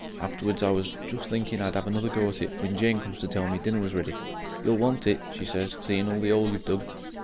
Afterwards I was just thinking I'd 'ave another go at it, when Jane comes to tell me dinner was ready. 'You'll want it,' she said, 'seeing all the 'ole you've dug.'